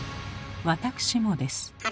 私もです。